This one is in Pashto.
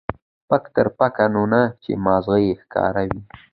پک تر پکه، نو نه چې ما غزه يې ښکاره وي.